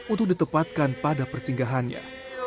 untuk ditepatkan pada persinggahannya